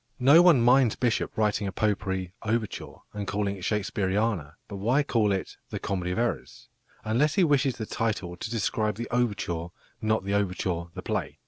No one minds Bishop writing a potpourri overture and calling it "Shakespeariana," but why call it "The Comedy of Errors"? unless he wishes the title to describe the overture, not the overture the play.